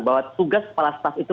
bahwa tugas kepala staf itu